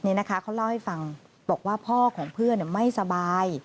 เขาเล่าให้ฟังบอกว่าพ่อของเพื่อนไม่สบาย